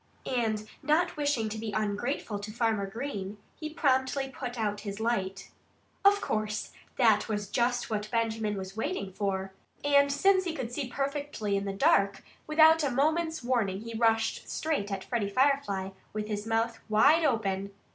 And not wishing to be ungrateful to Farmer Green, he promptly put out his light. Of course, that was just what Benjamin was waiting for. And since he could see perfectly in the dark, without a moment's warning he rushed straight at Freddie Firefly, with his mouth wide open.